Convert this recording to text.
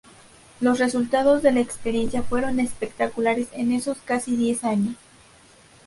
Los resultados de la experiencia fueron espectaculares en esos casi diez años.